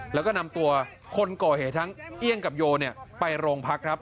แล้วก็นำตัวคนก่อเหตุทั้งเอี่ยงกับโยไปโรงพักครับ